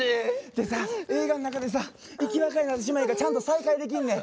でさ映画の中でさ生き別れになった姉妹がちゃんと再会できんねん。